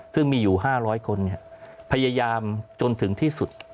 ซึ่งมีอยู่๕๐๐คนพยายามจนถึงที่สุด